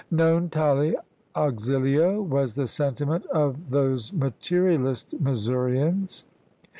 Non tali auxilio was the sentiment of those materialist Missourians.